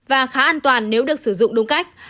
và khá an toàn nếu được sử dụng đúng cách